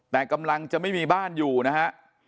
แต่กำลังจะไม่มีบ้านอยู่นะฮะ